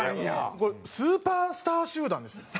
これスーパースター集団ですよ。